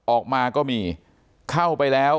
ออกมาก็มีเข้าไปแล้ว